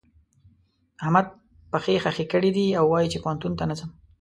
احمد پښې خښې کړې دي او وايي چې پوهنتون ته نه ځم.